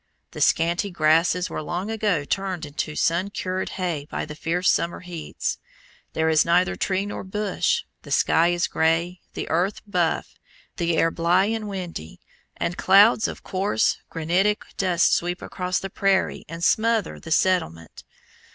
The scanty grasses were long ago turned into sun cured hay by the fierce summer heats. There is neither tree nor bush, the sky is grey, the earth buff, the air blae and windy, and clouds of coarse granitic dust sweep across the prairie and smother the settlement.